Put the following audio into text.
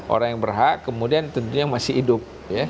orang yang berhak kemudian tentunya yang masih hidup